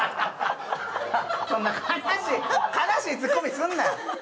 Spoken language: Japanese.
そんな悲しいツッコミすんなや。